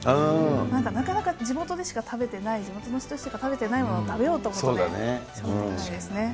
なんかなかなか地元でしか食べてない、地元の人しか食べてないものを食べようとかね、なりますよね。